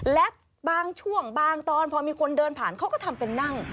และบางช่วงบางตอนพอมีคนเดินผ่านเขาก็ทำเป็นนั่ง